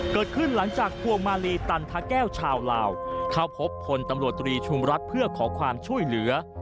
เกิดขึ้นหลังจากพวงมาลีตันทะแก้วชาวลาวเข้าพบพลตำรวจตรีชุมรัฐเพื่อขอความช่วยเหลือ